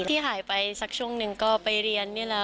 ที่หายไปสักช่วงหนึ่งก็ไปเรียนนี่แหละ